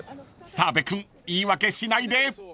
［澤部君言い訳しないで］